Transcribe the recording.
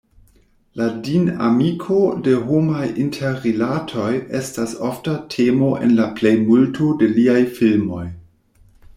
La dinamiko de homaj interrilatoj estas ofta temo en la plejmulto de liaj filmoj.